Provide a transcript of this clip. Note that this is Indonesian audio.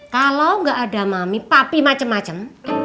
kalau gak ada mami papi macem macem